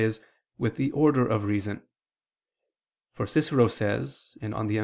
e. with the order of reason. For Cicero says (De Inv.